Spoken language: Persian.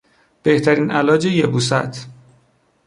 بهترین علاج یبوست